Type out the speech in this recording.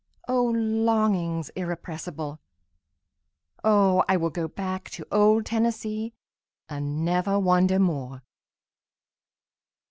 O longings irrepressible! O I will go back to old Tennessee, and never wander more!